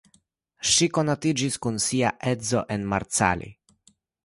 Ŝi konatiĝis kun sia edzo en Marcali.